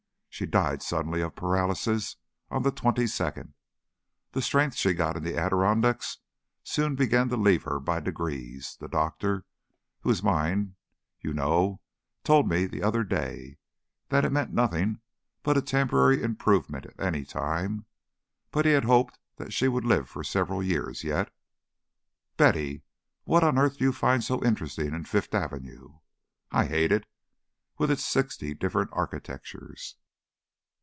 She died suddenly of paralysis on the twenty second. The strength she got in the Adirondacks soon began to leave her by degrees; the doctor who is mine, you know told me the other day that it meant nothing but a temporary improvement at any time; but he had hoped that she would live for several years yet. Betty, what on earth do you find so interesting in Fifth Avenue? I hate it, with its sixty different architectures."